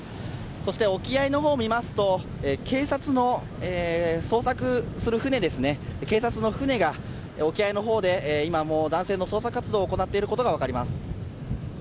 そして沖合のほうを見ますと警察の捜索する船が沖合のほうで男性の捜索活動を行っているのが分かります。